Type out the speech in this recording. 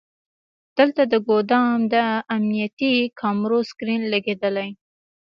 دلته د ګودام د امنیتي کامرو سکرین لګیدلی.